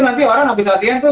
nanti orang habis latihan tuh